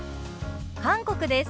韓国です。